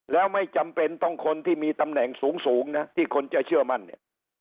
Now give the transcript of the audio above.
แล้วไม่จำเป็นต้องคนที่มีตำแหน่งสูงนะที่คนจะเชื่อมั่นเนี่ย